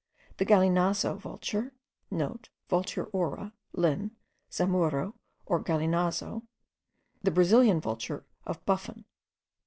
the galinazo vulture,* (* Vultur aura, Linn., Zamuro, or Galinazo: the Brazilian vulture of Buffon.